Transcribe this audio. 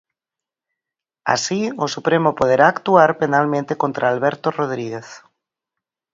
Así, o Supremo poderá actuar penalmente contra Alberto Rodríguez.